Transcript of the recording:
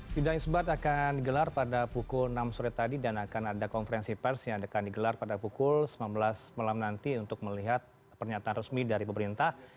sidang isbat akan digelar pada pukul enam sore tadi dan akan ada konferensi pers yang akan digelar pada pukul sembilan belas malam nanti untuk melihat pernyataan resmi dari pemerintah